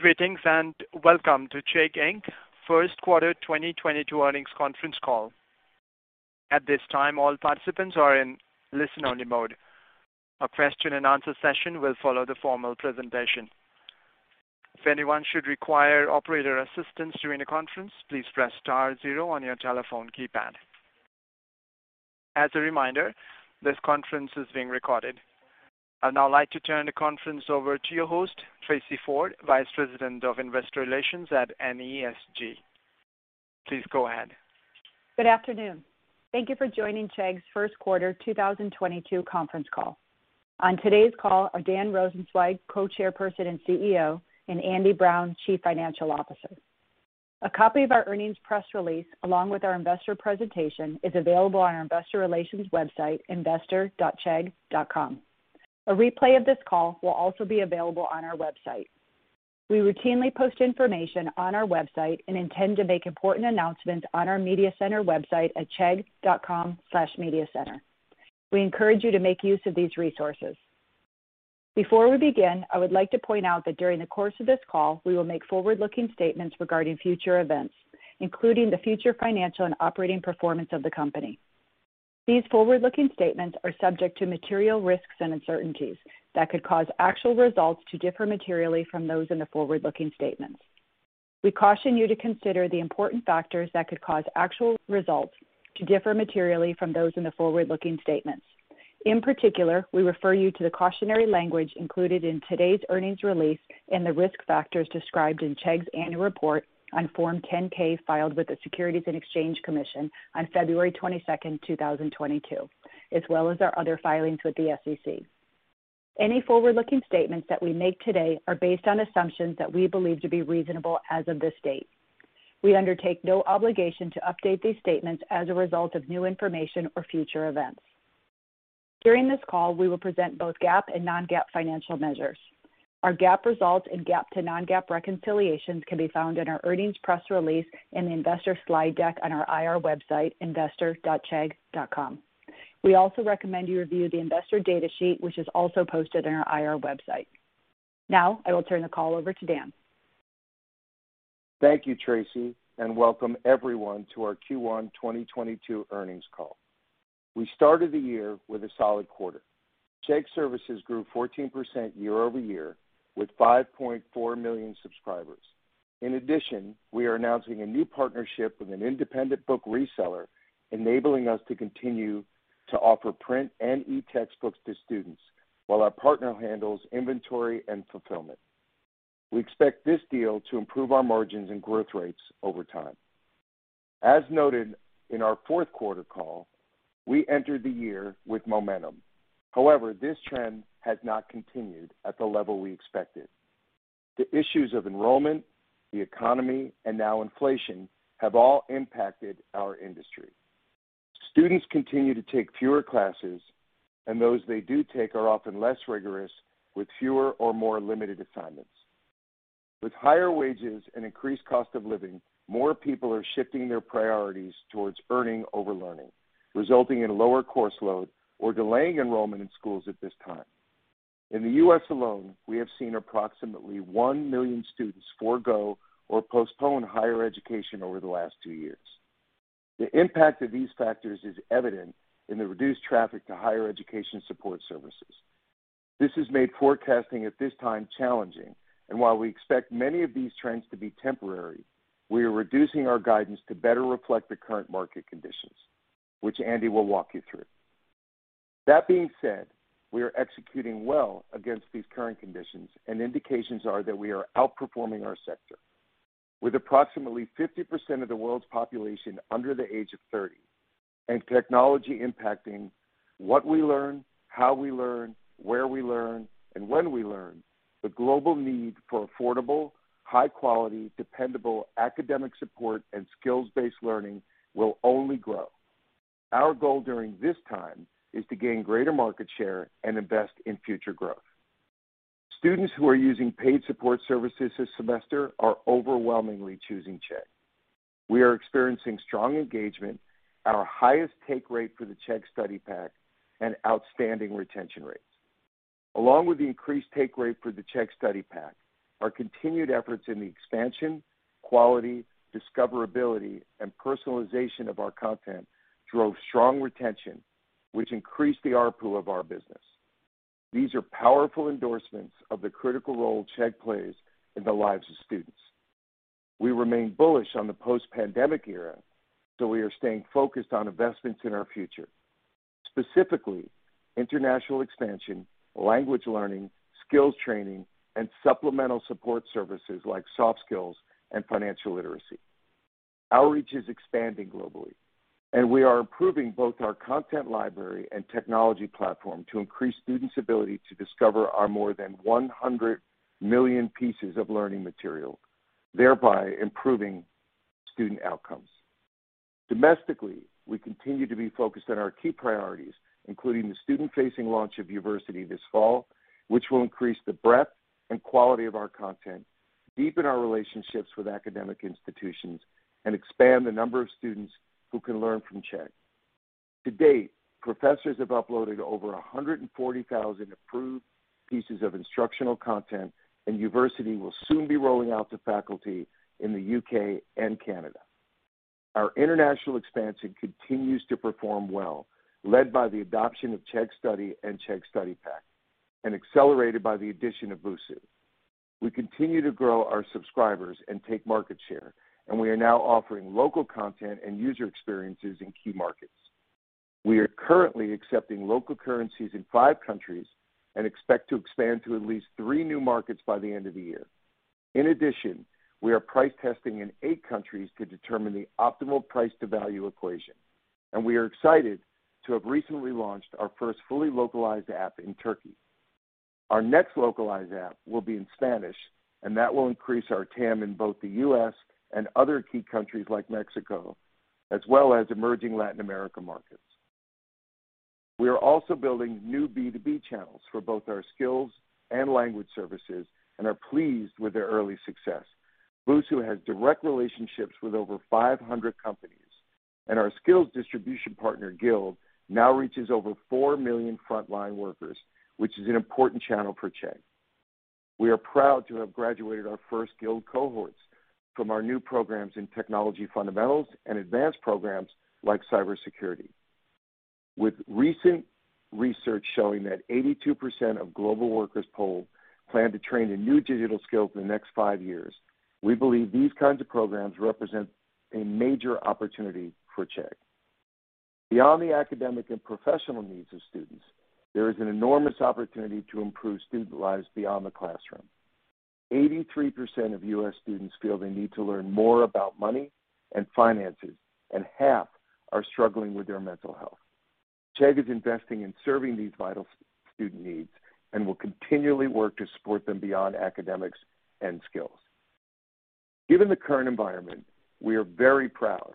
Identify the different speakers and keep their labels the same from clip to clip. Speaker 1: Greetings, and welcome to Chegg, Inc.'s Q12022 Earnings Conference Call. At this time, all participants are in listen-only mode. A question and answer session will follow the formal presentation. If anyone should require operator assistance during the conference, please press star zero on your telephone keypad. As a reminder, this conference is being recorded. I'd now like to turn the conference over to your host, Tracey Ford, Vice President of Investor Relations at Chegg. Please go ahead.
Speaker 2: Good afternoon. Thank you for joining Chegg's first quarter 2022 conference call. On today's call are Dan Rosensweig, Co-Chairperson and CEO, and Andy Brown, Chief Financial Officer. A copy of our earnings press release, along with our investor presentation, is available on our investor relations website, investor.chegg.com. A replay of this call will also be available on our website. We routinely post information on our website and intend to make important announcements on our Media Center website at chegg.com/mediacenter. We encourage you to make use of these resources. Before we begin, I would like to point out that during the course of this call, we will make forward-looking statements regarding future events, including the future financial and operating performance of the company. These forward-looking statements are subject to material risks and uncertainties that could cause actual results to differ materially from those in the forward-looking statements. We caution you to consider the important factors that could cause actual results to differ materially from those in the forward-looking statements. In particular, we refer you to the cautionary language included in today's earnings release and the risk factors described in Chegg's annual report on Form 10-K filed with the Securities and Exchange Commission on February 22, 2022, as well as our other filings with the SEC. Any forward-looking statements that we make today are based on assumptions that we believe to be reasonable as of this date. We undertake no obligation to update these statements as a result of new information or future events. During this call, we will present both GAAP and non-GAAP financial measures. Our GAAP results and GAAP to non-GAAP reconciliations can be found in our earnings press release in the investor slide deck on our IR website, investor.chegg.com. We also recommend you review the investor data sheet, which is also posted on our IR website. Now, I will turn the call over to Dan.
Speaker 3: Thank you, Tracy, and welcome everyone to our Q1 2022 earnings call. We started the year with a solid quarter. Chegg Services grew 14% year-over-year with 5.4 million subscribers. In addition, we are announcing a new partnership with an independent book reseller, enabling us to continue to offer print and e-textbooks to students while our partner handles inventory and fulfillment. We expect this deal to improve our margins and growth rates over time. As noted in our fourth quarter call, we entered the year with momentum. However, this trend has not continued at the level we expected. The issues of enrollment, the economy, and now inflation have all impacted our industry. Students continue to take fewer classes, and those they do take are often less rigorous with fewer or more limited assignments. With higher wages and increased cost of living, more people are shifting their priorities towards earning over learning, resulting in lower course load or delaying enrollment in schools at this time. In the U.S. alone, we have seen approximately 1 million students forego or postpone higher education over the last two years. The impact of these factors is evident in the reduced traffic to higher education support services. This has made forecasting at this time challenging. While we expect many of these trends to be temporary, we are reducing our guidance to better reflect the current market conditions, which Andy will walk you through. That being said, we are executing well against these current conditions, and indications are that we are outperforming our sector. With approximately 50% of the world's population under the age of 30 and technology impacting what we learn, how we learn, where we learn, and when we learn, the global need for affordable, high quality, dependable academic support and skills-based learning will only grow. Our goal during this time is to gain greater market share and invest in future growth. Students who are using paid support services this semester are overwhelmingly choosing Chegg. We are experiencing strong engagement, our highest take rate for the Chegg Study Pack and outstanding retention rates. Along with the increased take rate for the Chegg Study Pack, our continued efforts in the expansion, quality, discoverability, and personalization of our content drove strong retention, which increased the ARPU of our business. These are powerful endorsements of the critical role Chegg plays in the lives of students. We remain bullish on the post-pandemic era, so we are staying focused on investments in our future, specifically international expansion, language learning, skills training, and supplemental support services like soft skills and financial literacy. Outreach is expanding globally, and we are improving both our content library and technology platform to increase students' ability to discover our more than 100 million pieces of learning material, thereby improving student outcomes. Domestically, we continue to be focused on our key priorities, including the student-facing launch of University this fall, which will increase the breadth and quality of our content, deepen our relationships with academic institutions, and expand the number of students who can learn from Chegg. To date, professors have uploaded over 140,000 approved pieces of instructional content, and University will soon be rolling out to faculty in the U.K. and Canada. Our international expansion continues to perform well, led by the adoption of Chegg Study and Chegg Study Pack, and accelerated by the addition of Busuu. We continue to grow our subscribers and take market share, and we are now offering local content and user experiences in key markets. We are currently accepting local currencies in five countries and expect to expand to at least three new markets by the end of the year. In addition, we are price testing in eight countries to determine the optimal price-to-value equation, and we are excited to have recently launched our first fully localized app in Turkey. Our next localized app will be in Spanish, and that will increase our TAM in both the U.S. and other key countries like Mexico, as well as emerging Latin America markets. We are also building new B2B channels for both our skills and language services and are pleased with their early success. Busuu has direct relationships with over 500 companies, and our skills distribution partner, Guild, now reaches over 4 million frontline workers, which is an important channel for Chegg. We are proud to have graduated our first Guild cohorts from our new programs in technology fundamentals and advanced programs like cybersecurity. With recent research showing that 82% of global workers polled plan to train in new digital skills in the next 5 years, we believe these kinds of programs represent a major opportunity for Chegg. Beyond the academic and professional needs of students, there is an enormous opportunity to improve student lives beyond the classroom. 83% of U.S. students feel they need to learn more about money and finances, and half are struggling with their mental health. Chegg is investing in serving these vital student needs and will continually work to support them beyond academics and skills. Given the current environment, we are very proud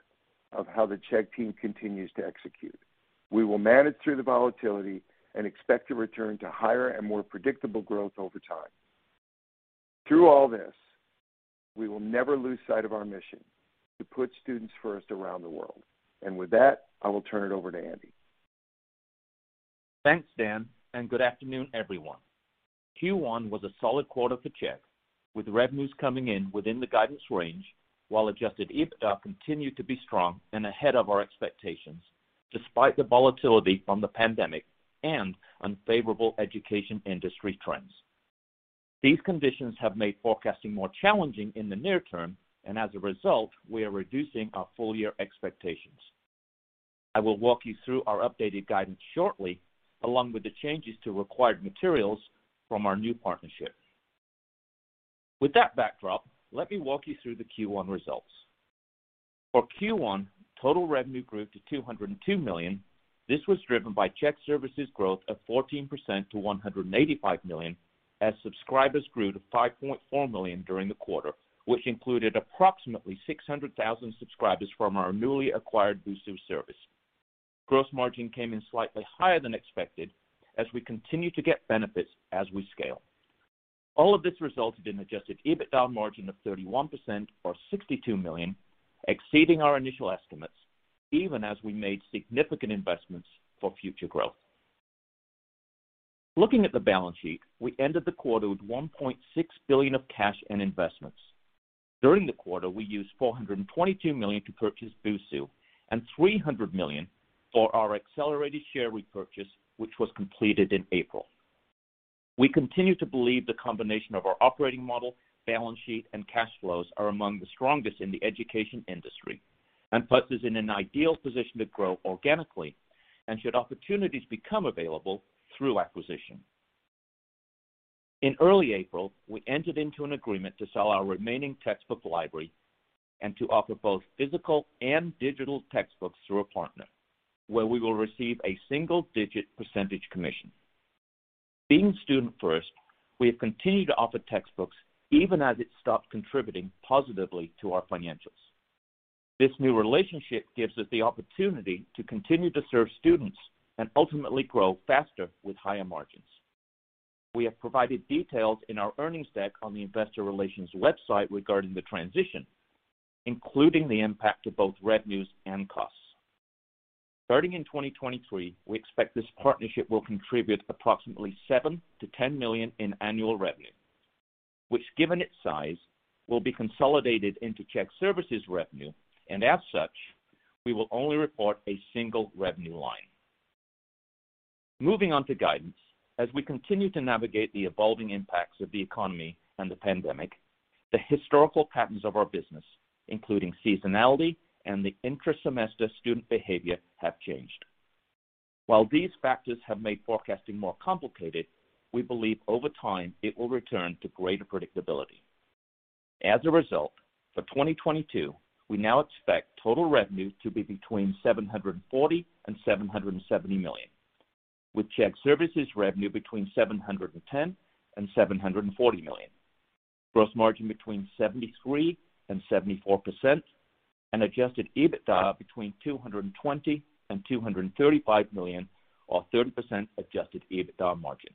Speaker 3: of how the Chegg team continues to execute. We will manage through the volatility and expect to return to higher and more predictable growth over time. Through all this, we will never lose sight of our mission to put students first around the world. With that, I will turn it over to Andy.
Speaker 4: Thanks, Dan, and good afternoon, everyone. Q1 was a solid quarter for Chegg, with revenues coming in within the guidance range while adjusted EBITDA continued to be strong and ahead of our expectations, despite the volatility from the pandemic and unfavorable education industry trends. These conditions have made forecasting more challenging in the near term, and as a result, we are reducing our full year expectations. I will walk you through our updated guidance shortly, along with the changes to required materials from our new partnership. With that backdrop, let me walk you through the Q1 results. For Q1, total revenue grew to $202 million. This was driven by Chegg Services growth of 14% to $185 million, as subscribers grew to 5.4 million during the quarter, which included approximately 600,000 subscribers from our newly acquired Busuu service. Gross margin came in slightly higher than expected as we continue to get benefits as we scale. All of this resulted in adjusted EBITDA margin of 31% or $62 million, exceeding our initial estimates, even as we made significant investments for future growth. Looking at the balance sheet, we ended the quarter with $1.6 billion of cash and investments. During the quarter, we used $422 million to purchase Busuu and $300 million for our accelerated share repurchase, which was completed in April. We continue to believe the combination of our operating model, balance sheet, and cash flows are among the strongest in the education industry and puts us in an ideal position to grow organically and should opportunities become available through acquisition. In early April, we entered into an agreement to sell our remaining textbook library and to offer both physical and digital textbooks through a partner, where we will receive a single-digit % commission. Being student first, we have continued to offer textbooks even as it stopped contributing positively to our financials. This new relationship gives us the opportunity to continue to serve students and ultimately grow faster with higher margins. We have provided details in our earnings deck on the investor relations website regarding the transition, including the impact to both revenues and costs. Starting in 2023, we expect this partnership will contribute approximately $7 million-$10 million in annual revenue, which, given its size, will be consolidated into Chegg Services revenue. As such, we will only report a single revenue line. Moving on to guidance. As we continue to navigate the evolving impacts of the economy and the pandemic, the historical patterns of our business, including seasonality and the intra-semester student behavior, have changed. While these factors have made forecasting more complicated, we believe over time it will return to greater predictability. As a result, for 2022, we now expect total revenue to be between $740 and $770 million, with Chegg Services revenue between $710 and $740 million, gross margin between 73% and 74%, and adjusted EBITDA between $220 and $235 million, or 30% adjusted EBITDA margin.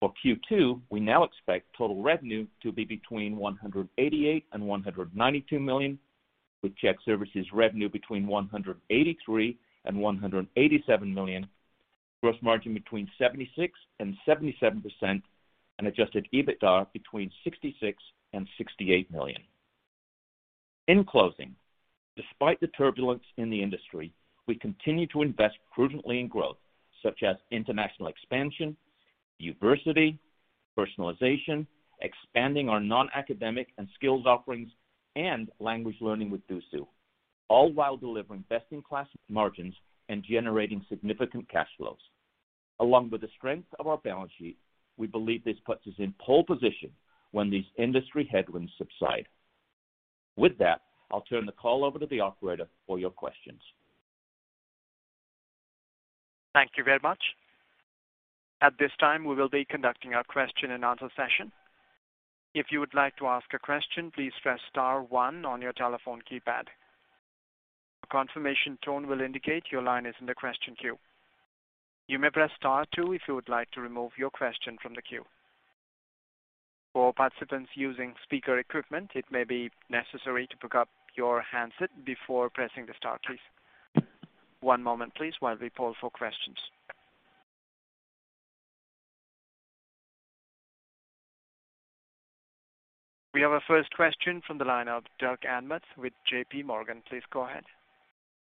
Speaker 4: For Q2, we now expect total revenue to be between $188 and $192 million, with Chegg Services revenue between $183 and $187 million, gross margin between 76% and 77% and adjusted EBITDA between $66 and $68 million. In closing, despite the turbulence in the industry, we continue to invest prudently in growth such as international expansion, university, personalization, expanding our non-academic and skills offerings, and language learning with Busuu, all while delivering best in class margins and generating significant cash flows. Along with the strength of our balance sheet, we believe this puts us in pole position when these industry headwinds subside. With that, I'll turn the call over to the operator for your questions.
Speaker 1: Thank you very much. At this time, we will be conducting our question and answer session. If you would like to ask a question, please press star one on your telephone keypad. A confirmation tone will indicate your line is in the question queue. You may press star two if you would like to remove your question from the queue. For participants using speaker equipment, it may be necessary to pick up your handset before pressing the star key. One moment please while we poll for questions. We have our first question from the line of Doug Anmuth with J.P. Morgan. Please go ahead.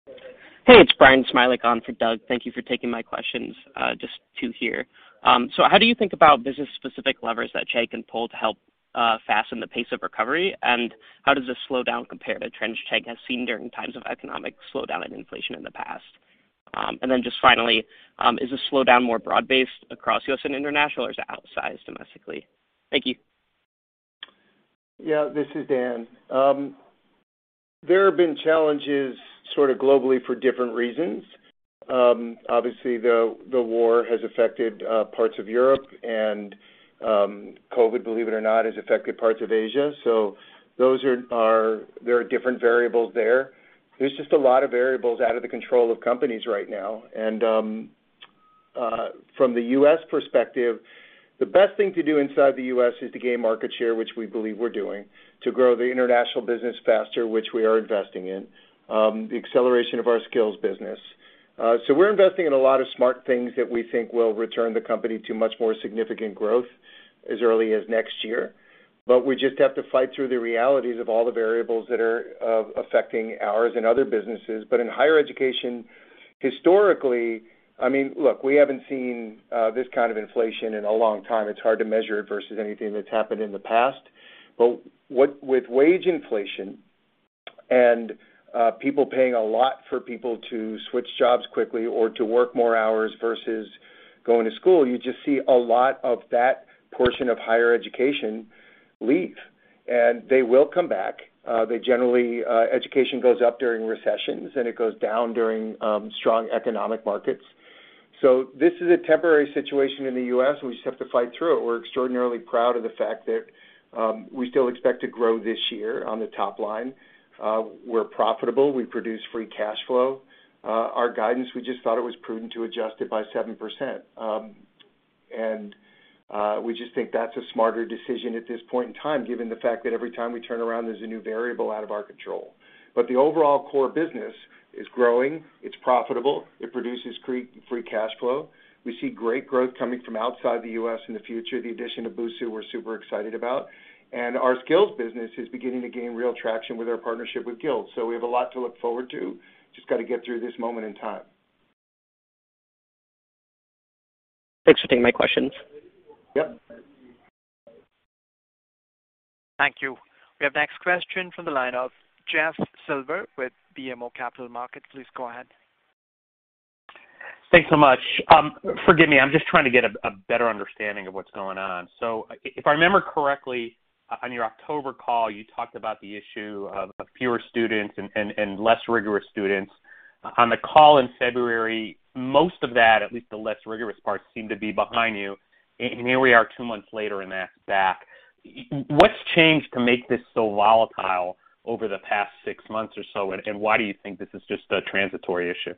Speaker 5: Hey, it's Brian Smilek on for Doug. Thank you for taking my questions. Just two here. How do you think about business-specific levers that Chegg can pull to help fasten the pace of recovery? How does this slowdown compare to trends Chegg has seen during times of economic slowdown and inflation in the past? Just finally, is the slowdown more broad-based across U.S. and international or is it outsized domestically? Thank you.
Speaker 3: Yeah, this is Dan. There have been challenges sort of globally for different reasons. Obviously, the war has affected parts of Europe and COVID, believe it or not, has affected parts of Asia. There are different variables there. There's just a lot of variables out of the control of companies right now. From the U.S. perspective, the best thing to do inside the U.S. is to gain market share, which we believe we're doing, to grow the international business faster, which we are investing in the acceleration of our skills business. We're investing in a lot of smart things that we think will return the company to much more significant growth as early as next year. We just have to fight through the realities of all the variables that are affecting ours and other businesses. In higher education, historically, I mean, look, we haven't seen this kind of inflation in a long time. It's hard to measure it versus anything that's happened in the past. With wage inflation and people paying a lot for people to switch jobs quickly or to work more hours versus going to school, you just see a lot of that portion of higher education leave, and they will come back. They generally education goes up during recessions, and it goes down during strong economic markets. This is a temporary situation in the U.S. We just have to fight through it. We're extraordinarily proud of the fact that we still expect to grow this year on the top line. We're profitable. We produce free cash flow. Our guidance, we just thought it was prudent to adjust it by 7%. We just think that's a smarter decision at this point in time, given the fact that every time we turn around there's a new variable out of our control. The overall core business is growing. It's profitable. It produces free cash flow. We see great growth coming from outside the US in the future. The addition of Busuu we're super excited about. Our skills business is beginning to gain real traction with our partnership with Guild. We have a lot to look forward to. Just got to get through this moment in time.
Speaker 5: Thanks for taking my questions.
Speaker 3: Yep.
Speaker 1: Thank you. We have next question from the line of Jeff Silber with BMO Capital Markets. Please go ahead.
Speaker 6: Thanks so much. Forgive me. I'm just trying to get a better understanding of what's going on. If I remember correctly, on your October call, you talked about the issue of fewer students and less rigorous students. On the call in February, most of that, at least the less rigorous parts, seem to be behind you. Here we are two months later, and that's back. What's changed to make this so volatile over the past six months or so, and why do you think this i s just a transitory issue?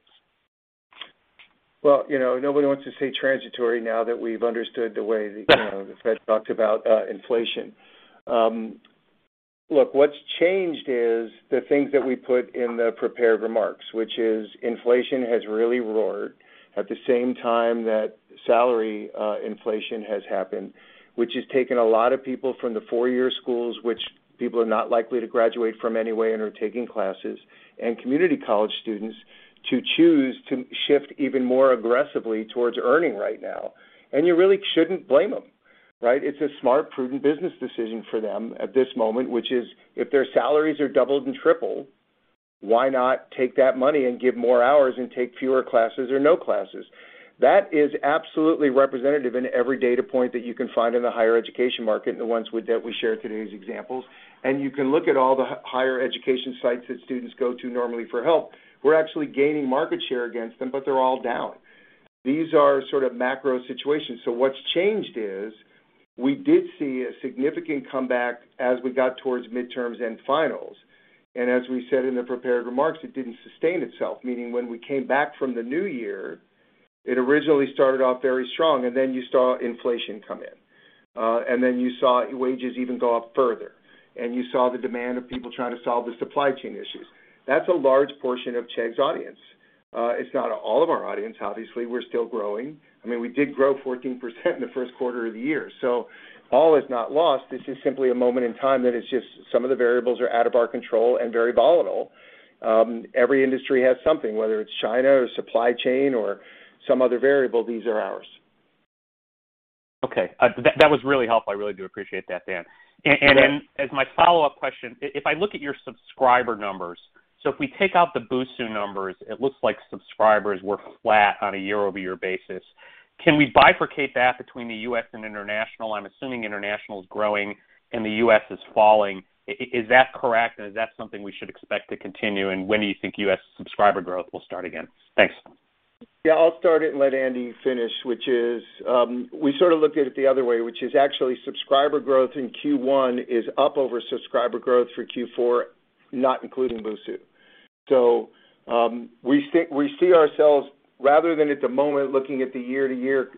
Speaker 3: Well, you know, nobody wants to say transitory now that we've understood the way, you know, the Fed talked about inflation. Look, what's changed is the things that we put in the prepared remarks, which is inflation has really roared at the same time that salary inflation has happened, which has taken a lot of people from the four-year schools, which people are not likely to graduate from anyway and are taking classes, and community college students to choose to shift even more aggressively towards earning right now. You really shouldn't blame them, right? It's a smart, prudent business decision for them at this moment, which is if their salaries are doubled and tripled, why not take that money and give more hours and take fewer classes or no classes? That is absolutely representative in every data point that you can find in the higher education market and the ones that we shared today as examples. You can look at all the higher education sites that students go to normally for help. We're actually gaining market share against them, but they're all down. These are sort of macro situations. What's changed is we did see a significant comeback as we got towards midterms and finals. As we said in the prepared remarks, it didn't sustain itself. Meaning when we came back from the new year, it originally started off very strong, and then you saw inflation come in. And then you saw wages even go up further, and you saw the demand of people trying to solve the supply chain issues. That's a large portion of Chegg's audience. It's not all of our audience, obviously. We're still growing. I mean, we did grow 14% in the first quarter of the year, so all is not lost. This is simply a moment in time that it's just some of the variables are out of our control and very volatile. Every industry has something, whether it's China or supply chain or some other variable. These are ours.
Speaker 6: Okay. That was really helpful. I really do appreciate that, Dan.
Speaker 3: Yeah.
Speaker 6: As my follow-up question, if I look at your subscriber numbers, so if we take out the Busuu numbers, it looks like subscribers were flat on a year-over-year basis. Can we bifurcate that between the U.S. and international? I'm assuming international is growing and the U.S. is falling. Is that correct and is that something we should expect to continue? When do you think U.S. subscriber growth will start again? Thanks.
Speaker 3: Yeah, I'll start it and let Andy finish, which is we sort of looked at it the other way, which is actually subscriber growth in Q1 is up over subscriber growth for Q4, not including Busuu. We see ourselves, rather than, at the moment, looking at the year-to-year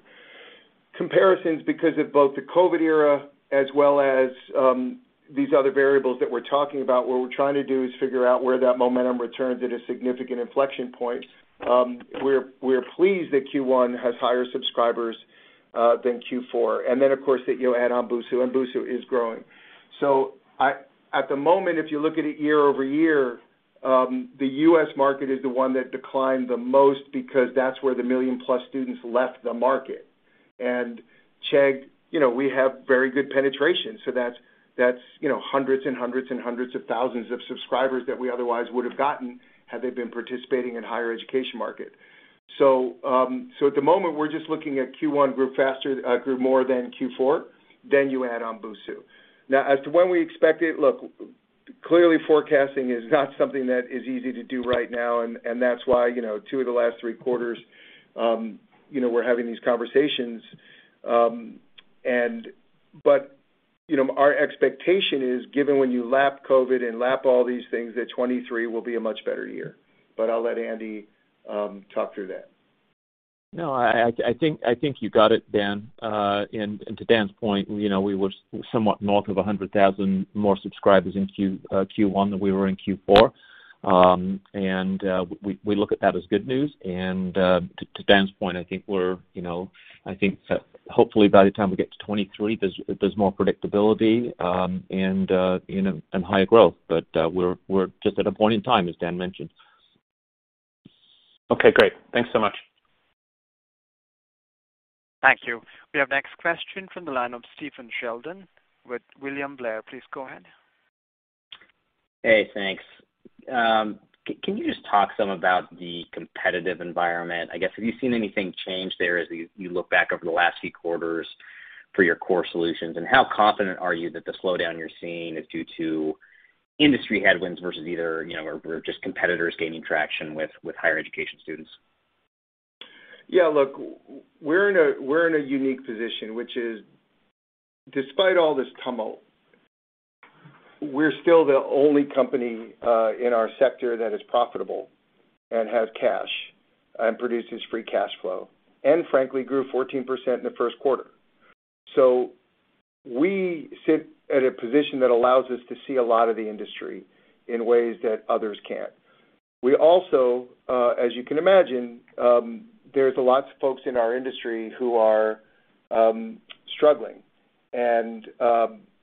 Speaker 3: comparisons because of both the COVID era as well as these other variables that we're talking about. What we're trying to do is figure out where that momentum returns at a significant inflection point. We're pleased that Q1 has higher subscribers than Q4. Of course, you add on Busuu, and Busuu is growing. At the moment, if you look at it year-over-year, the U.S. market is the one that declined the most because that's where the 1 million-plus students left the market. Chegg, you know, we have very good penetration, so that's, you know, hundreds and hundreds and hundreds of thousands of subscribers that we otherwise would have gotten had they been participating in higher education market. So at the moment, we're just looking at Q1 grew more than Q4, then you add on Busuu. Now, as to when we expect it, look, clearly forecasting is not something that is easy to do right now, and that's why, you know, 2 of the last 3 quarters, you know, we're having these conversations. But, you know, our expectation is given when you lap COVID and lap all these things, that 2023 will be a much better year. But I'll let Andy talk through that.
Speaker 4: No, I think you got it, Dan. To Dan's point, you know, we were somewhat north of 100,000 more subscribers in Q1 than we were in Q4. We look at that as good news. To Dan's point, I think we're, you know, I think hopefully by the time we get to 2023, there's more predictability, and, you know, and higher growth. We're just at a point in time, as Dan mentioned.
Speaker 6: Okay, great. Thanks so much.
Speaker 1: Thank you. We have next question from the line of Stephen Sheldon with William Blair. Please go ahead.
Speaker 7: Hey, thanks. Can you just talk some about the competitive environment? I guess, have you seen anything change there as you look back over the last few quarters for your core solutions? How confident are you that the slowdown you're seeing is due to industry headwinds versus either, you know, or just competitors gaining traction with higher education students?
Speaker 3: Yeah, look, we're in a unique position, which is despite all this tumult, we're still the only company in our sector that is profitable and has cash and produces free cash flow and frankly grew 14% in the first quarter. We sit at a position that allows us to see a lot of the industry in ways that others can't. We also, as you can imagine, there's lots of folks in our industry who are struggling.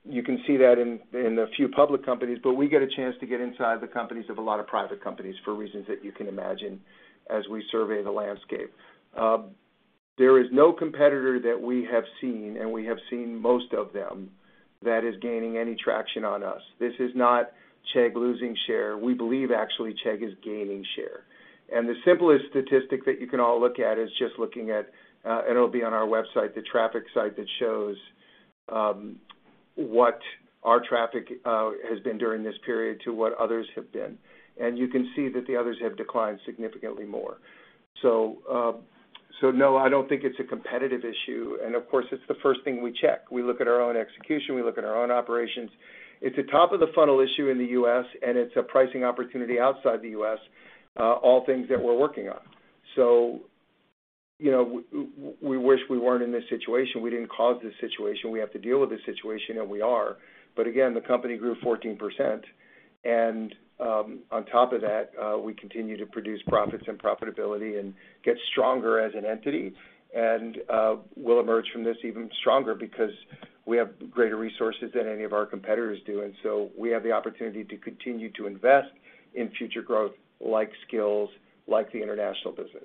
Speaker 3: You can see that in a few public companies, but we get a chance to get inside the companies of a lot of private companies for reasons that you can imagine as we survey the landscape. There is no competitor that we have seen, and we have seen most of them, that is gaining any traction on us. This is not Chegg losing share. We believe actually Chegg is gaining share. The simplest statistic that you can all look at is just looking at, and it'll be on our website, the traffic site that shows what our traffic has been during this period to what others have been. You can see that the others have declined significantly more. No, I don't think it's a competitive issue. Of course, it's the first thing we check. We look at our own execution. We look at our own operations. It's a top of the funnel issue in the U.S., and it's a pricing opportunity outside the U.S., all things that we're working on. You know, we wish we weren't in this situation. We didn't cause this situation. We have to deal with this situation, and we are. Again, the company grew 14%. On top of that, we continue to produce profits and profitability and get stronger as an entity, and we'll emerge from this even stronger because we have greater resources than any of our competitors do. We have the opportunity to continue to invest in future growth like skills, like the international business.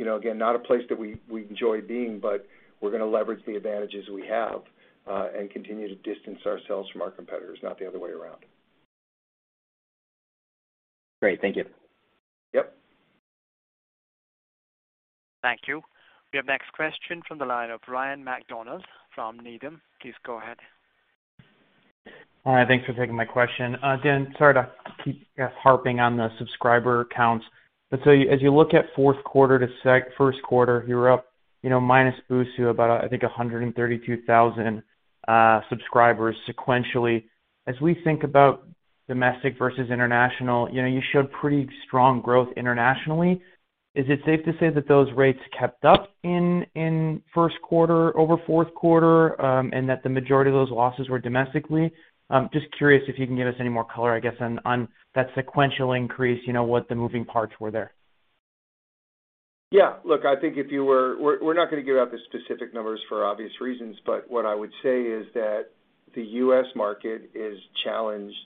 Speaker 3: You know, again, not a place that we enjoy being, but we're gonna leverage the advantages we have, and continue to distance ourselves from our competitors, not the other way around.
Speaker 7: Great. Thank you.
Speaker 3: Yep.
Speaker 1: Thank you. We have next question from the line of Ryan MacDonald from Needham. Please go ahead.
Speaker 8: All right, thanks for taking my question. Dan, sorry to keep harping on the subscriber counts. As you look at fourth quarter to first quarter, you were up, minus Busuu, about, I think, 132,000 subscribers sequentially. As we think about domestic versus international, you showed pretty strong growth internationally. Is it safe to say that those rates kept up in first quarter over fourth quarter, and that the majority of those losses were domestically? Just curious if you can give us any more color on that sequential increase, what the moving parts were there.
Speaker 3: Yeah. Look, I think we're not gonna give out the specific numbers for obvious reasons, but what I would say is that the U.S. market is challenged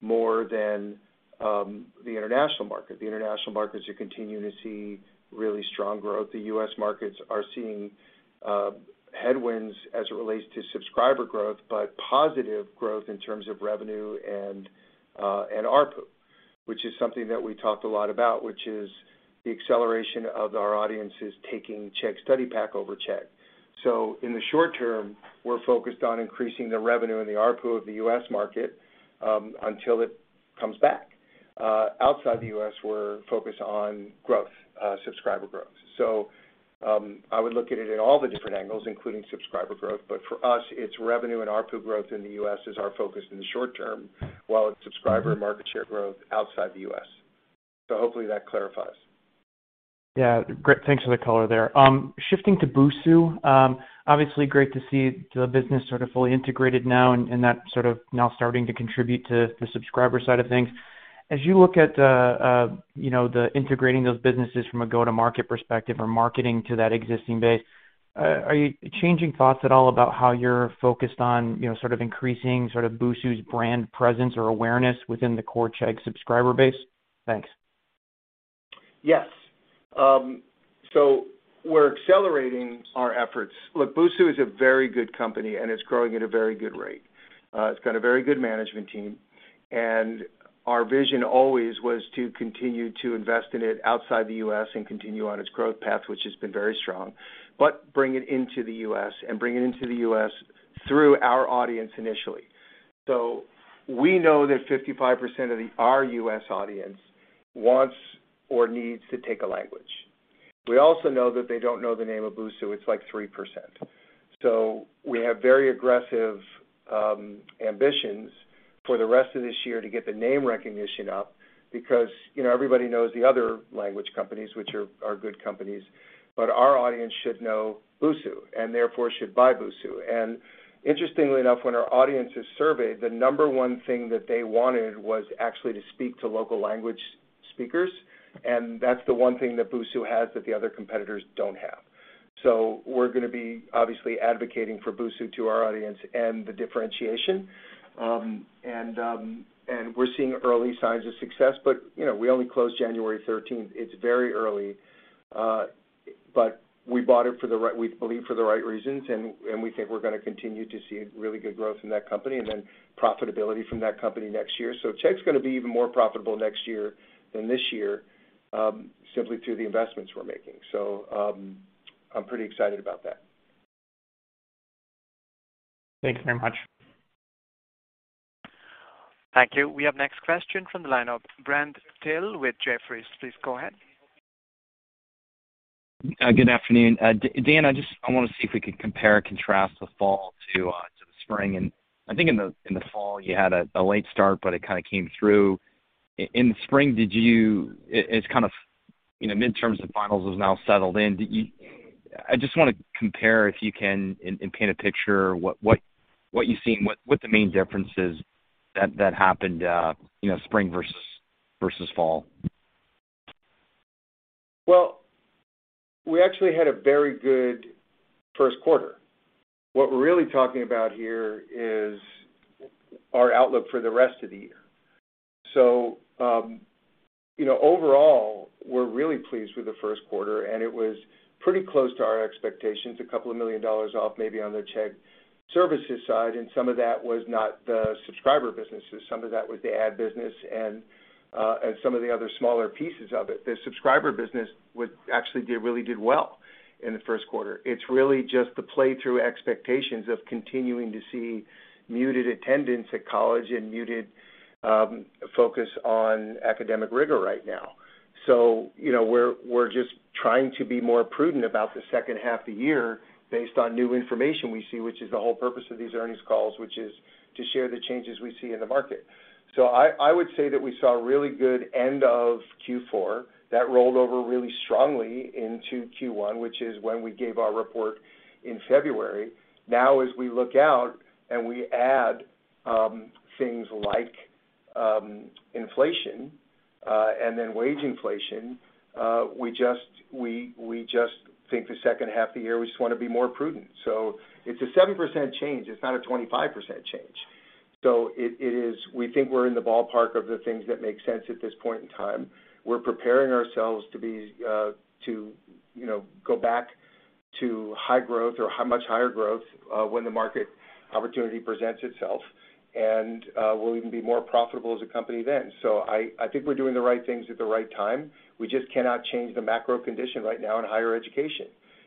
Speaker 3: more than the international market. The international markets you continue to see really strong growth. The U.S. markets are seeing headwinds as it relates to subscriber growth, but positive growth in terms of revenue and ARPU, which is something that we talked a lot about, which is the acceleration of our audiences taking Chegg Study Pack over Chegg. In the short term, we're focused on increasing the revenue and the ARPU of the U.S. market until it comes back. Outside the U.S., we're focused on growth, subscriber growth. I would look at it in all the different angles, including subscriber growth. For us, it's revenue and ARPU growth in the U.S. is our focus in the short term, while it's subscriber market share growth outside the U.S. Hopefully that clarifies.
Speaker 8: Yeah. Great. Thanks for the color there. Shifting to Busuu, obviously great to see the business sort of fully integrated now and that sort of now starting to contribute to the subscriber side of things. As you look at the, you know, the integrating those businesses from a go-to-market perspective or marketing to that existing base, are you changing thoughts at all about how you're focused on, you know, sort of increasing sort of Busuu's brand presence or awareness within the core Chegg subscriber base? Thanks.
Speaker 3: Yes. We're accelerating our efforts. Look, Busuu is a very good company, and it's growing at a very good rate. It's got a very good management team, and our vision always was to continue to invest in it outside the U.S. and continue on its growth path, which has been very strong, but bring it into the U.S. and bring it into the U.S. through our audience initially. We know that 55% of our U.S. audience wants or needs to take a language. We also know that they don't know the name of Busuu, it's like 3%. We have very aggressive ambitions for the rest of this year to get the name recognition up because, you know, everybody knows the other language companies, which are good companies, but our audience should know Busuu, and therefore should buy Busuu. Interestingly enough, when our audience is surveyed, the number one thing that they wanted was actually to speak to local language speakers, and that's the one thing that Busuu has that the other competitors don't have. We're gonna be obviously advocating for Busuu to our audience and the differentiation. We're seeing early signs of success. You know, we only closed January thirteenth. It's very early, but we bought it, we believe, for the right reasons, and we think we're gonna continue to see really good growth in that company and then profitability from that company next year. Chegg's gonna be even more profitable next year than this year, simply through the investments we're making. I'm pretty excited about that.
Speaker 8: Thanks very much.
Speaker 1: Thank you. We have next question from the line of Brent Thill with Jefferies. Please go ahead.
Speaker 9: Good afternoon. Dan, I wanna see if we could compare and contrast the fall to the spring. I think in the fall you had a late start, but it kinda came through. In the spring, did you? It's kind of, you know, midterms and finals is now settled in. Did you? I just wanna compare, if you can, and paint a picture what you've seen, what the main differences that happened, you know, spring versus fall.
Speaker 3: Well, we actually had a very good first quarter. What we're really talking about here is our outlook for the rest of the year. You know, overall, we're really pleased with the first quarter, and it was pretty close to our expectations, $2 million off maybe on the Chegg Services side, and some of that was not the subscriber businesses, some of that was the ad business and some of the other smaller pieces of it. The subscriber business actually really did well in the first quarter. It's really just the play through expectations of continuing to see muted attendance at college and muted focus on academic rigor right now. You know, we're just trying to be more prudent about the second half of the year based on new information we see, which is the whole purpose of these earnings calls, which is to share the changes we see in the market. I would say that we saw a really good end of Q4 that rolled over really strongly into Q1, which is when we gave our report in February. Now, as we look out and we add things like inflation and then wage inflation, we just think the second half of the year, we just wanna be more prudent. It's a 7% change, it's not a 25% change. It is. We think we're in the ballpark of the things that make sense at this point in time. We're preparing ourselves to you know go back to high growth or much higher growth when the market opportunity presents itself, and we'll even be more profitable as a company then. I think we're doing the right things at the right time. We just cannot change the macro condition right now in higher education.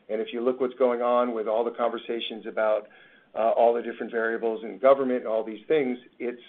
Speaker 3: If you look what's going on with all the conversations about all the different variables in government, all these things, it's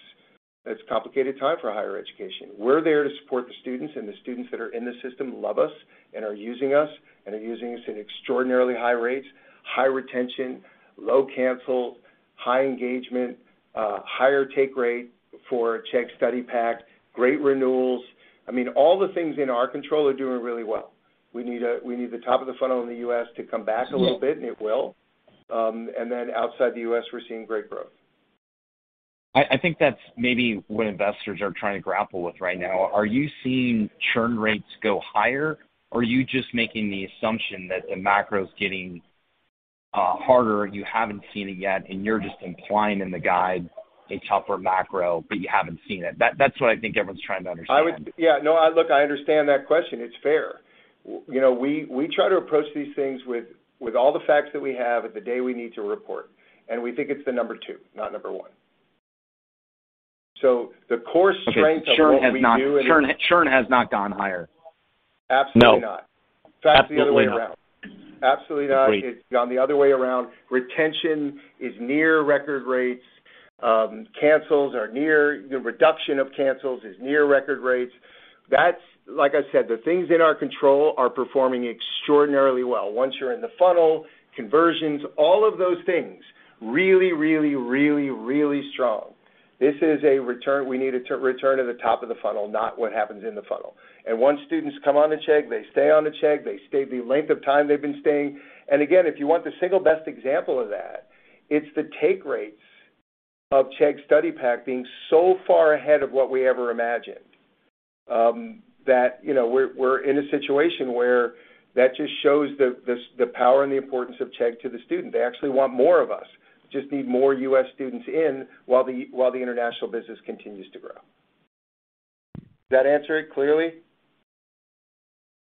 Speaker 3: a complicated time for higher education. We're there to support the students, and the students that are in the system love us and are using us, and are using us at extraordinarily high rates, high retention, low cancel, high engagement, higher take rate for Chegg Study Pack, great renewals. I mean, all the things in our control are doing really well. We need the top of the funnel in the U.S. to come back a little bit, and it will. Outside the U.S., we're seeing great growth.
Speaker 10: I think that's maybe what investors are trying to grapple with right now. Are you seeing churn rates go higher, or are you just making the assumption that the macro is getting harder, you haven't seen it yet, and you're just implying in the guide a tougher macro, but you haven't seen it? That's what I think everyone's trying to understand.
Speaker 9: Yeah, no. Look, I understand that question. It's fair.
Speaker 3: You know, we try to approach these things with all the facts that we have on the day we need to report, and we think it's the number 2, not number 1. The core strength of what we do.
Speaker 9: Churn has not gone higher?
Speaker 3: Absolutely not.
Speaker 9: No. Absolutely not.
Speaker 3: In fact, the other way around. Absolutely not.
Speaker 9: Agree.
Speaker 3: It's gone the other way around. Retention is near record rates. The reduction of cancels is near record rates. Like I said, the things in our control are performing extraordinarily well. Once you're in the funnel, conversions, all of those things, really strong. This is a return. We need a return to the top of the funnel, not what happens in the funnel. Once students come onto Chegg, they stay on the Chegg, they stay the length of time they've been staying. Again, if you want the single best example of that, it's the take rates of Chegg Study Pack being so far ahead of what we ever imagined, that we're in a situation where that just shows the power and the importance of Chegg to the student. They actually want more of us. Just need more U.S. students in while the international business continues to grow. Does that answer it clearly?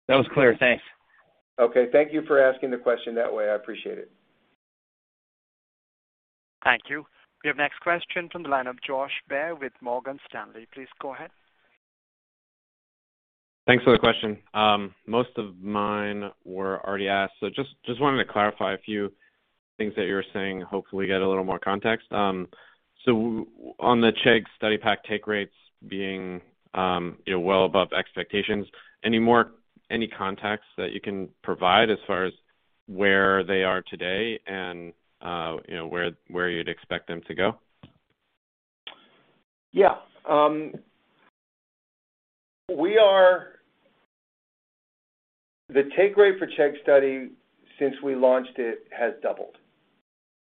Speaker 9: That was clear. Thanks.
Speaker 3: Okay. Thank you for asking the question that way. I appreciate it.
Speaker 1: Thank you. We have next question from the line of Josh Baer with Morgan Stanley. Please go ahead.
Speaker 11: Thanks for the question. Most of mine were already asked. Just wanted to clarify a few things that you're saying, hopefully get a little more context. On the Chegg Study Pack take rates being you know well above expectations, any context that you can provide as far as where they are today and you know where you'd expect them to go?
Speaker 3: Yeah. The take rate for Chegg Study since we launched it has doubled.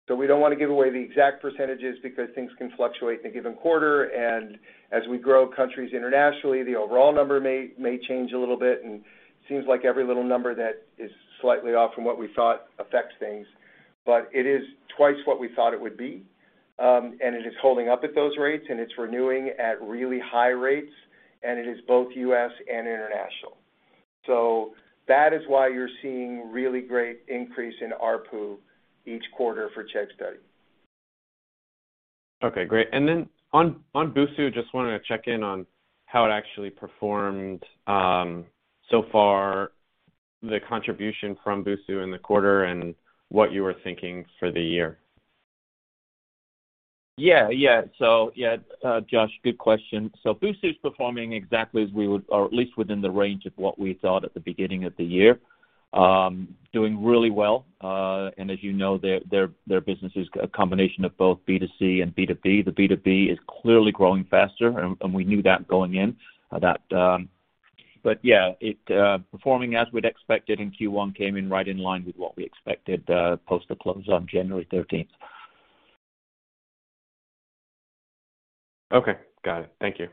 Speaker 3: We don't wanna give away the exact percentages because things can fluctuate in a given quarter. As we grow countries internationally, the overall number may change a little bit, and seems like every little number that is slightly off from what we thought affects things. It is twice what we thought it would be, and it is holding up at those rates, and it's renewing at really high rates, and it is both U.S. and international. That is why you're seeing really great increase in ARPU each quarter for Chegg Study.
Speaker 11: Okay, great. On Busuu, just wanted to check in on how it actually performed, so far, the contribution from Busuu in the quarter and what you were thinking for the year.
Speaker 3: Josh, good question. Busuu is performing exactly as we would or at least within the range of what we thought at the beginning of the year. Doing really well. As you know, their business is a combination of both B2C and B2B. The B2B is clearly growing faster, and we knew that going in. It's performing as we'd expected in Q1. Came in right in line with what we expected post the close on January thirteenth.
Speaker 11: Okay. Got it. Thank you.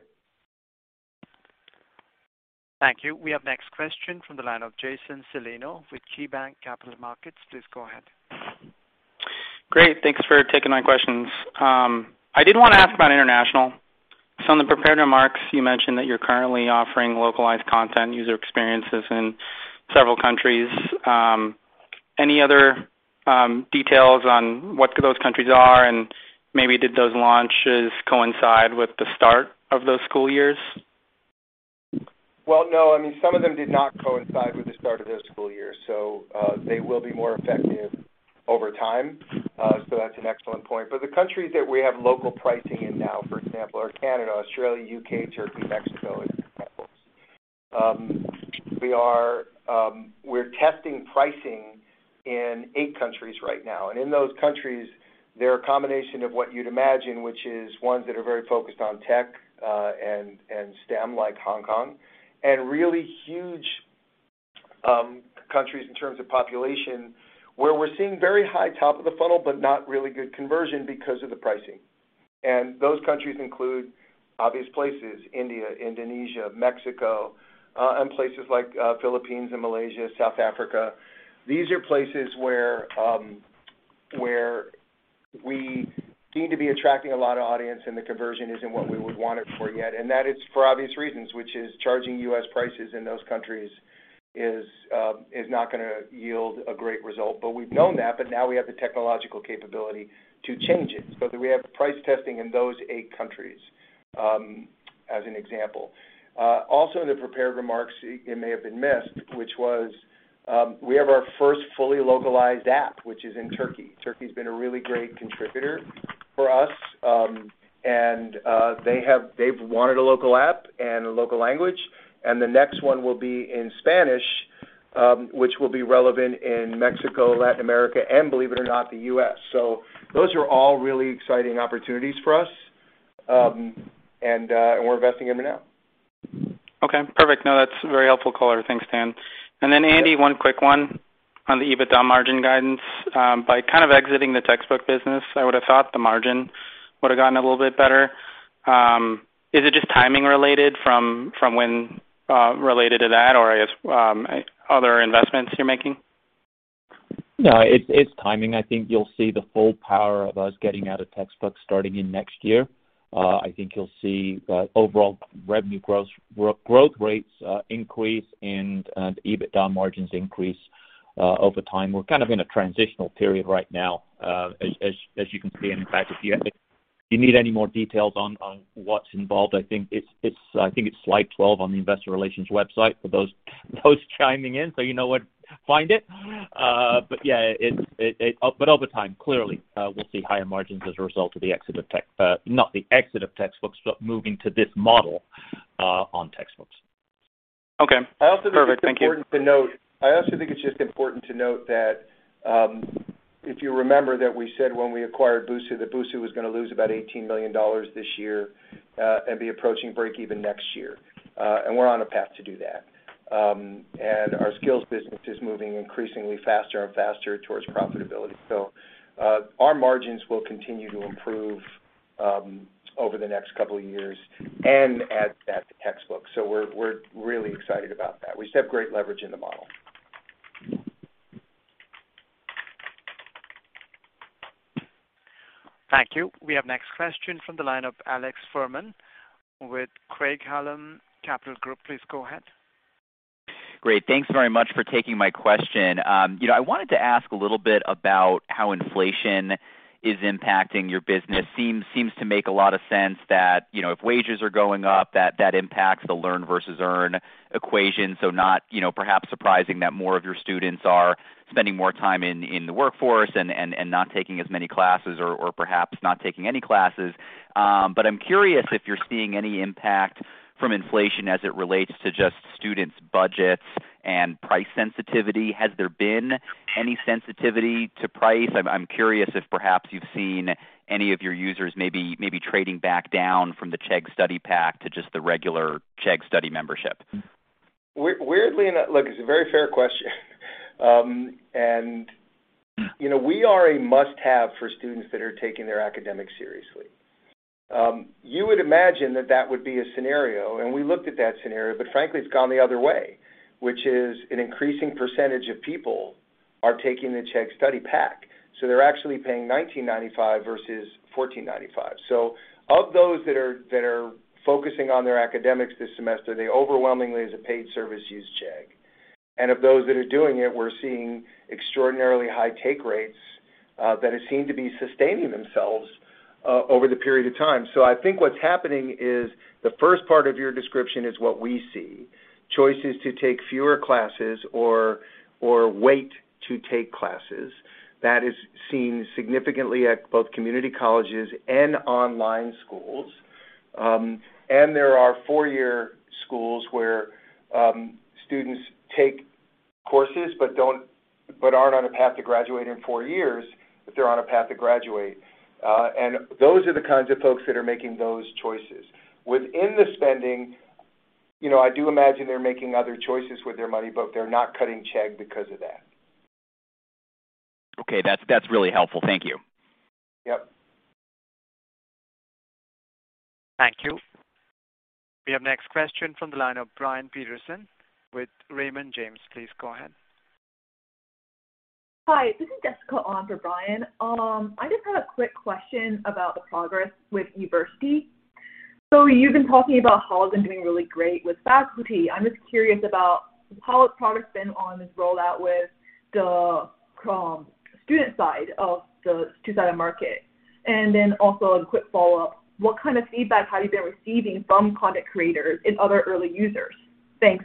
Speaker 1: Thank you. We have next question from the line of Jason Celino with KeyBanc Capital Markets. Please go ahead.
Speaker 12: Great. Thanks for taking my questions. I did wanna ask about international. In the prepared remarks, you mentioned that you're currently offering localized content, user experiences in several countries. Any other details on what those countries are and maybe did those launches coincide with the start of those school years?
Speaker 3: Well, no. I mean, some of them did not coincide with the start of their school year, so, they will be more effective over time. That's an excellent point. The countries that we have local pricing in now, for example, are Canada, Australia, U.K., Turkey, Mexico, and so forth. We're testing pricing in 8 countries right now. In those countries, they're a combination of what you'd imagine, which is ones that are very focused on tech, and STEM, like Hong Kong, and really huge countries in terms of population, where we're seeing very high top of the funnel, but not really good conversion because of the pricing. Those countries include obvious places, India, Indonesia, Mexico, and places like Philippines and Malaysia, South Africa. These are places where we seem to be attracting a lot of audience, and the conversion isn't what we would want it for yet. That is for obvious reasons, which is charging U.S. prices in those countries is not gonna yield a great result. We've known that, but now we have the technological capability to change it. We have price testing in those eight countries. As an example, also in the prepared remarks, it may have been missed, which was, we have our first fully localized app, which is in Turkey. Turkey's been a really great contributor for us, and they've wanted a local app and a local language, and the next one will be in Spanish, which will be relevant in Mexico, Latin America, and believe it or not, the U.S. Those are all really exciting opportunities for us. We're investing in it now.
Speaker 12: Okay, perfect. No, that's a very helpful color. Thanks, Dan. Andy, one quick one on the EBITDA margin guidance. By kind of exiting the textbook business, I would have thought the margin would have gotten a little bit better. Is it just timing related from when related to that or I guess other investments you're making?
Speaker 4: No, it's timing. I think you'll see the full power of us getting out of textbook starting in next year. I think you'll see the overall revenue growth rates increase and the EBITDA margins increase over time. We're kind of in a transitional period right now, as you can see. In fact, if you need any more details on what's involved, I think it's slide 12 on the investor relations website for those chiming in, so you know where to find it. But yeah, it. Over time, clearly, we'll see higher margins as a result of the exit of textbooks, not the exit of textbooks, but moving to this model on textbooks.
Speaker 12: Okay. Perfect. Thank you.
Speaker 3: I also think it's just important to note that, if you remember that we said when we acquired Busuu, that Busuu was gonna lose about $18 million this year, and be approaching break-even next year. And our skills business is moving increasingly faster and faster towards profitability. Our margins will continue to improve over the next couple of years and add that to textbooks. We're really excited about that. We just have great leverage in the model.
Speaker 1: Thank you. We have next question from the line of Alex Fuhrman with Craig-Hallum Capital Group. Please go ahead.
Speaker 13: Great. Thanks very much for taking my question. You know, I wanted to ask a little bit about how inflation is impacting your business. Seems to make a lot of sense that, you know, if wages are going up, that impacts the learn versus earn equation. Not, you know, perhaps surprising that more of your students are spending more time in the workforce and not taking as many classes or perhaps not taking any classes. I'm curious if you're seeing any impact from inflation as it relates to just students' budgets and price sensitivity. Has there been any sensitivity to price? I'm curious if perhaps you've seen any of your users maybe trading back down from the Chegg Study Pack to just the regular Chegg Study membership.
Speaker 3: Weirdly enough, look, it's a very fair question. You know, we are a must-have for students that are taking their academics seriously. You would imagine that that would be a scenario, and we looked at that scenario, but frankly, it's gone the other way, which is an increasing percentage of people are taking the Chegg Study Pack, so they're actually paying $19.95 versus $14.95. Of those that are focusing on their academics this semester, they overwhelmingly, as a paid service, use Chegg. Of those that are doing it, we're seeing extraordinarily high take rates that seem to be sustaining themselves over the period of time. I think what's happening is the first part of your description is what we see, choices to take fewer classes or wait to take classes. That is seen significantly at both community colleges and online schools. There are four-year schools where students take courses but aren't on a path to graduate in four years, but they're on a path to graduate. Those are the kinds of folks that are making those choices. Within the spending, you know, I do imagine they're making other choices with their money, but they're not cutting Chegg because of that.
Speaker 13: Okay. That's really helpful. Thank you.
Speaker 3: Yep.
Speaker 1: Thank you. We have next question from the line of Brian Peterson with Raymond James. Please go ahead.
Speaker 14: Hi, this is Jessica on for Brian. I just had a quick question about the progress with University. You've been talking about how it's been doing really great with faculty. I'm just curious about how the product's been on this rollout with the student side of the two-sided market. Then also a quick follow-up, what kind of feedback have you been receiving from content creators and other early users? Thanks.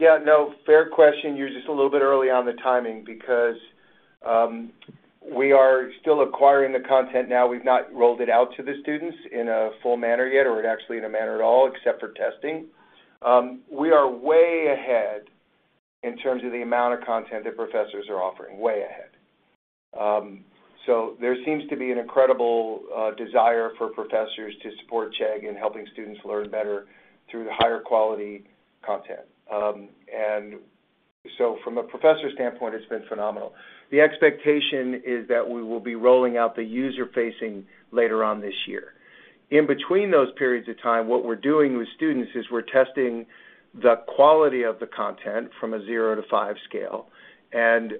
Speaker 3: Yeah, no, fair question. You're just a little bit early on the timing because we are still acquiring the content now. We've not rolled it out to the students in a full manner yet, or actually in a manner at all, except for testing. We are way ahead in terms of the amount of content that professors are offering, way ahead. So there seems to be an incredible desire for professors to support Chegg in helping students learn better through the higher quality content. From a professor standpoint, it's been phenomenal. The expectation is that we will be rolling out the user-facing later on this year. In between those periods of time, what we're doing with students is we're testing the quality of the content from a 0 to 5 scale. You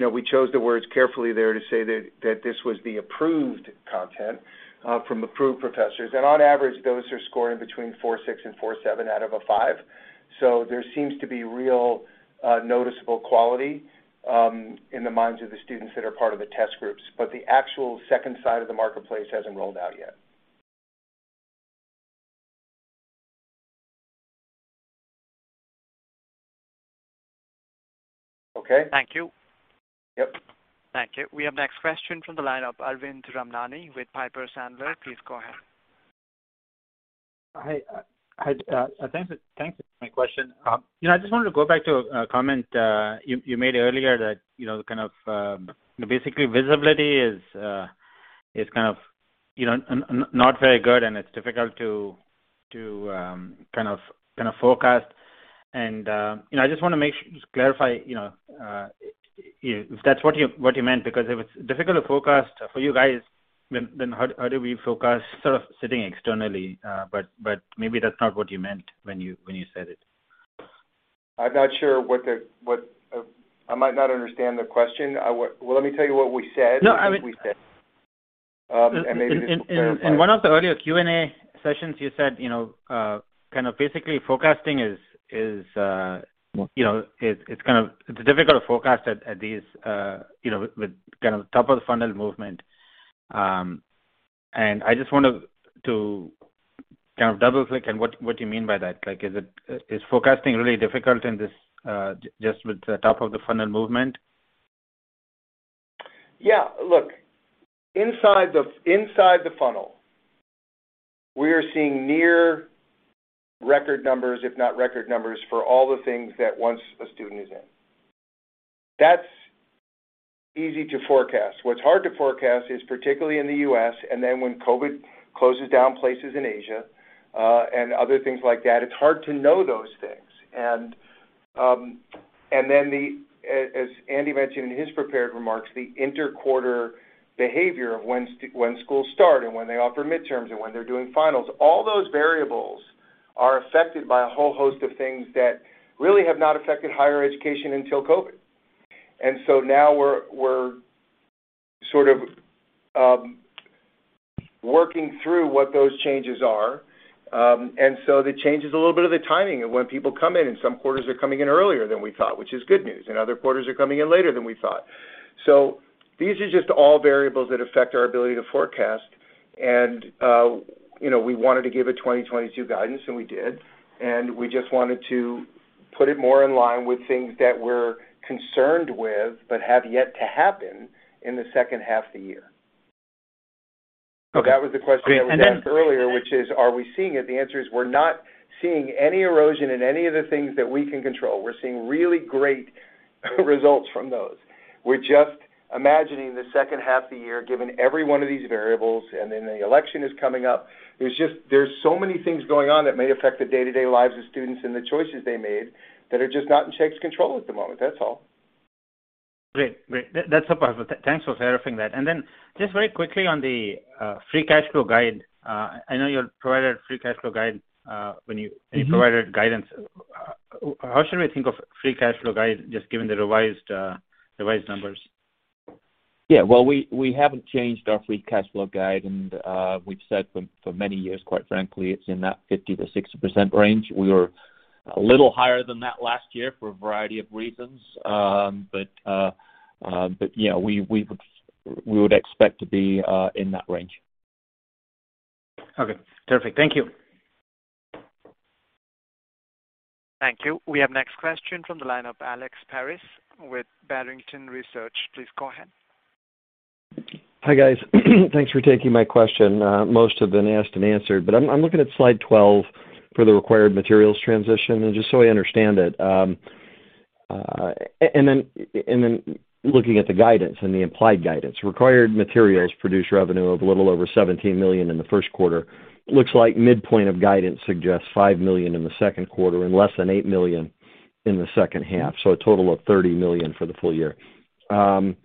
Speaker 3: know, we chose the words carefully there to say that this was the approved content from approved professors. On average, those are scoring between 4.6 and 4.7 out of 5. There seems to be real noticeable quality in the minds of the students that are part of the test groups. The actual second side of the marketplace hasn't rolled out yet. Okay. Thank you. Yep.
Speaker 1: Thank you. We have next question from the line of Arvind Ramnani with Piper Sandler. Please go ahead.
Speaker 15: Hi. Thanks for my question. You know, I just wanted to go back to a comment you made earlier that, you know, kind of, basically visibility is kind of, you know, not very good and it's difficult to kind of forecast. You know, I just wanna clarify, you know, if that's what you meant, because if it's difficult to forecast for you guys, then how do we forecast sort of sitting externally? Maybe that's not what you meant when you said it.
Speaker 3: I'm not sure what I might not understand the question. Well, let me tell you what we said.
Speaker 15: No, I mean.
Speaker 3: Maybe this will clarify.
Speaker 15: In one of the earlier Q&A sessions you said, you know, kind of basically forecasting is, you know, it's kind of difficult to forecast at these, you know, with kind of top of the funnel movement. I just wanted to kind of double-click on what do you mean by that? Like is forecasting really difficult in this just with the top of the funnel movement?
Speaker 3: Yeah. Look, inside the funnel, we are seeing near record numbers, if not record numbers for all the things that once a student is in. That's easy to forecast. What's hard to forecast is, particularly in the U.S., and then when COVID closes down places in Asia, and other things like that, it's hard to know those things. As Andy mentioned in his prepared remarks, the inter-quarter behavior of when schools start and when they offer midterms and when they're doing finals, all those variables are affected by a whole host of things that really have not affected higher education until COVID. Now we're sort of working through what those changes are. It changes a little bit of the timing of when people come in, and some quarters are coming in earlier than we thought, which is good news, and other quarters are coming in later than we thought. These are just all variables that affect our ability to forecast. You know, we wanted to give a 2022 guidance, and we did. We just wanted to put it more in line with things that we're concerned with but have yet to happen in the second half of the year.
Speaker 15: Okay.
Speaker 3: That was the question that was asked earlier, which is, are we seeing it? The answer is we're not seeing any erosion in any of the things that we can control. We're seeing really great results from those. We're just imagining the second half of the year, given every one of these variables, and then the election is coming up. There's just so many things going on that may affect the day-to-day lives of students and the choices they made that are just not in Chegg's control at the moment. That's all.
Speaker 15: Great. That's helpful. Thanks for clarifying that. Just very quickly on the free cash flow guide. I know you had provided free cash flow guide when you-
Speaker 3: Mm-hmm.
Speaker 15: When you provided guidance. How should we think of free cash flow guidance just given the revised numbers?
Speaker 3: Yeah. Well, we haven't changed our free cash flow guide, and we've said for many years, quite frankly, it's in that 50%-60% range. We were a little higher than that last year for a variety of reasons. Yeah, we would expect to be in that range.
Speaker 15: Okay. Terrific. Thank you.
Speaker 1: Thank you. We have next question from the line of Alexander Paris with Barrington Research. Please go ahead.
Speaker 16: Hi, guys. Thanks for taking my question. Most have been asked and answered, but I'm looking at slide 12 for the required materials transition. Just so I understand it, and then looking at the guidance and the implied guidance. Required materials produce revenue of a little over $17 million in the first quarter. Looks like midpoint of guidance suggests $5 million in the second quarter and less than $8 million in the second half, so a total of $30 million for the full year. BNED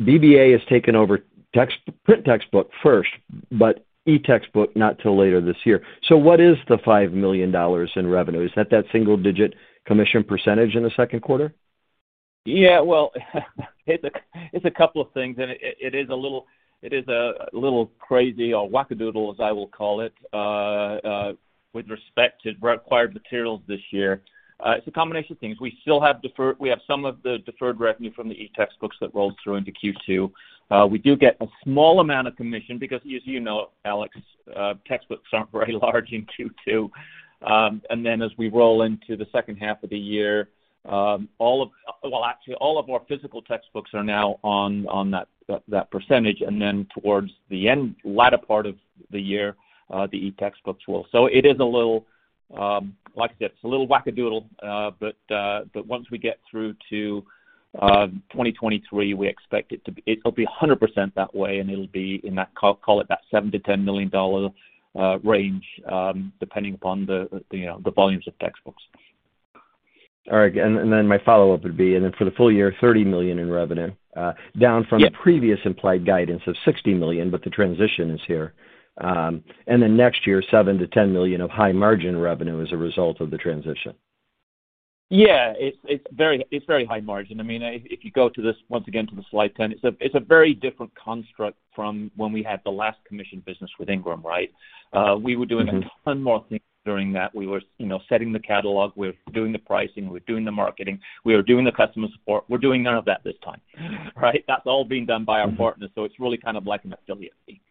Speaker 16: has taken over text-print textbook first, but e-textbook not till later this year. What is the $5 million in revenue? Is that single digit commission percentage in the second quarter?
Speaker 3: Well, it's a couple of things, and it is a little crazy or wackadoodle, as I will call it, with respect to required materials this year. It's a combination of things. We still have some of the deferred revenue from the e-textbooks that rolled through into Q2. We do get a small amount of commission because as you know, Alex, textbooks aren't very large in Q2. Then as we roll into the second half of the year, actually, all of our physical textbooks are now on that percentage. Then towards the end, latter part of the year, the e-textbooks will. It is a little, like I said, it's a little wackadoodle. Once we get through to 2023, we expect it to be—it'll be 100% that way, and it'll be in that, call it $7-$10 million range, depending upon the, you know, the volumes of textbooks.
Speaker 16: All right. My follow-up would be for the full year $30 million in revenue.
Speaker 3: Yeah.
Speaker 16: Down from the previous implied guidance of $60 million, but the transition is here. Next year, $7-10 million of high-margin revenue as a result of the transition.
Speaker 4: Yeah, it's very high margin. I mean, if you go to this once again to the Slide 10, it's a very different construct from when we had the last commission business with Ingram, right? We were doing a ton more things during that. We were, you know, setting the catalog. We're doing the pricing. We're doing the marketing. We are doing the customer support. We're doing none of that this time, right? That's all being done by our partners. It's really kind of like an affiliate fee.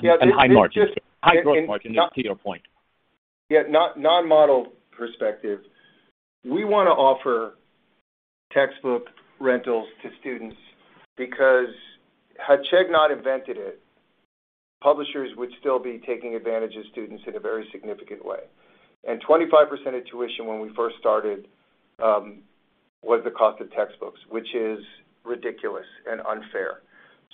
Speaker 3: Yeah.
Speaker 4: High margin. High growth margin to your point.
Speaker 3: Yeah. From a model perspective, we wanna offer textbook rentals to students because had Chegg not invented it, publishers would still be taking advantage of students in a very significant way. 25% of tuition when we first started was the cost of textbooks, which is ridiculous and unfair.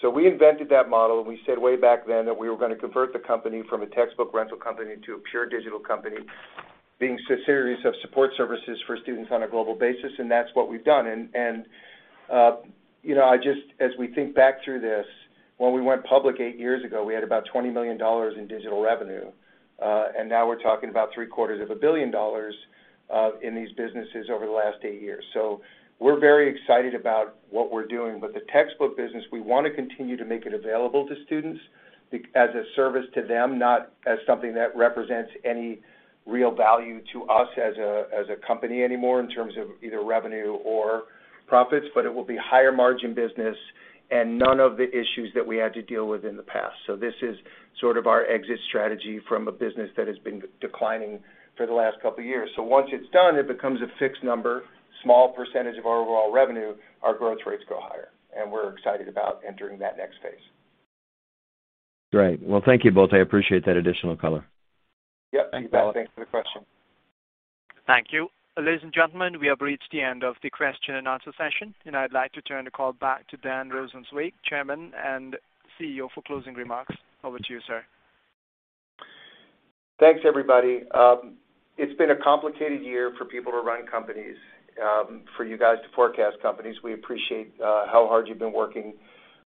Speaker 3: We invented that model, and we said way back then that we were gonna convert the company from a textbook rental company to a pure digital company being a series of support services for students on a global basis, and that's what we've done. You know, as we think back through this, when we went public eight years ago, we had about $20 million in digital revenue. Now we're talking about three-quarters of a billion dollars in these businesses over the last eight years. We're very excited about what we're doing. The textbook business, we wanna continue to make it available to students as a service to them, not as something that represents any real value to us as a company anymore in terms of either revenue or profits. It will be higher margin business and none of the issues that we had to deal with in the past. This is sort of our exit strategy from a business that has been declining for the last couple of years. Once it's done, it becomes a fixed number, small percentage of our overall revenue. Our growth rates go higher, and we're excited about entering that next phase.
Speaker 16: Great. Well, thank you both. I appreciate that additional color.
Speaker 3: Yeah. Thanks for the question.
Speaker 1: Thank you. Ladies and gentlemen, we have reached the end of the question and answer session, and I'd like to turn the call back to Dan Rosensweig, Chairman and CEO, for closing remarks. Over to you, sir.
Speaker 3: Thanks, everybody. It's been a complicated year for people to run companies, for you guys to forecast companies. We appreciate how hard you've been working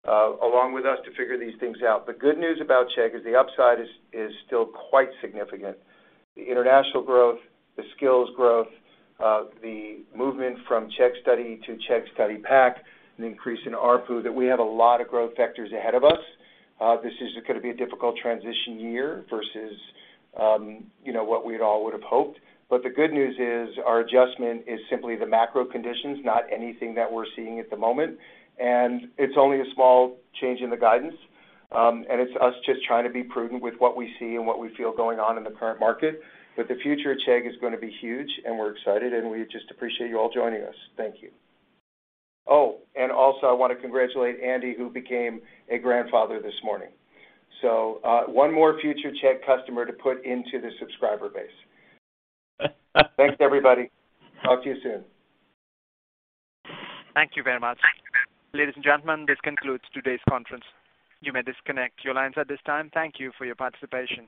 Speaker 3: along with us to figure these things out. The good news about Chegg is the upside is still quite significant. The international growth, the skills growth, the movement from Chegg Study to Chegg Study Pack, an increase in ARPU, that we have a lot of growth vectors ahead of us. This is gonna be a difficult transition year versus, you know, what we'd all would have hoped. The good news is our adjustment is simply the macro conditions, not anything that we're seeing at the moment. It's only a small change in the guidance, and it's us just trying to be prudent with what we see and what we feel going on in the current market. The future at Chegg is gonna be huge, and we're excited, and we just appreciate you all joining us. Thank you. Oh, I wanna congratulate Andy, who became a grandfather this morning. One more future Chegg customer to put into the subscriber base. Thanks, everybody. Talk to you soon.
Speaker 1: Thank you very much. Ladies and gentlemen, this concludes today's conference. You may disconnect your lines at this time. Thank you for your participation.